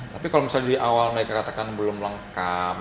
tapi kalau misalnya di awal mereka katakan belum lengkap